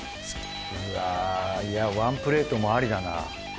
うわいやワンプレートもありだな。